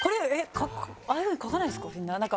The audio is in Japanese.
ああいうふうに書かないですか？